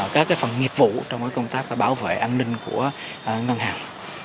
các phòng nghiệp vụ trong công tác bảo vệ an ninh của ngân hàng